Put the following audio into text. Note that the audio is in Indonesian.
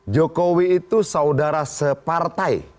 jokowi itu saudara separtai